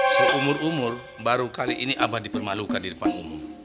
seumur umur baru kali ini abah dipermalukan di depan umum